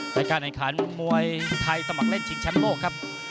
ในการแขกล้ายมามวยไทยสมัครเล่นชิงชันโลกครับ